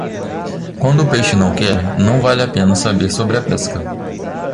Quando o peixe não quer, não vale a pena saber sobre a pesca.